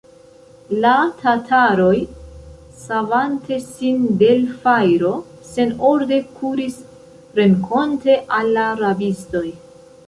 La tataroj, savante sin de l' fajro, senorde kuris renkonte al la rabistoj.